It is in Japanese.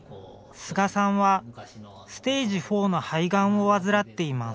菅さんはステージ４の肺がんを患っています。